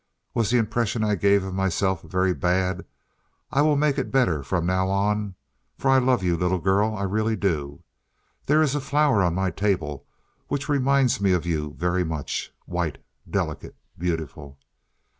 Was the impression I gave of myself very bad? I will make it better from now on, for I love you, little girl—I really do. There is a flower on my table which reminds me of you very much—white, delicate, beautiful.